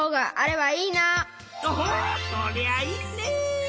おおそりゃあいいね！